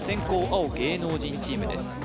青芸能人チームです